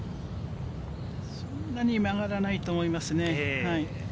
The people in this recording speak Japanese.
そんなに曲がらないと思いますね。